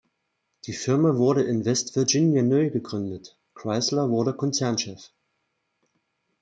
Die Firma wurde in West Virginia neugegründet; Chrysler wurde Konzernchef.